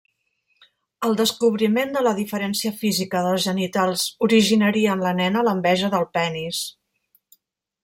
El descobriment de la diferència física dels genitals originaria en la nena l'enveja del penis.